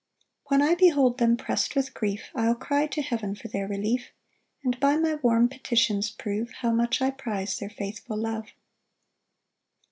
4 When I behold them prest with grief, I'll cry to heaven for their relief; And by my warm petitions prove how much I prize their faithful love.